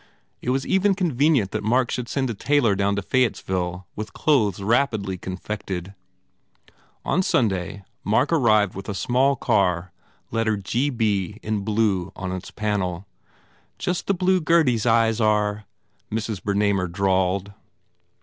It was even convenient that Mark should send a tailor down to Fayettesville with clothes rapidly confected. On Sunday Mark arrived with a small car lettered G.B. in blue on its panel. 141 THE FAIR REWARDS "Just the blue Gurdy s eyes are," Mrs. Berna mer drawled.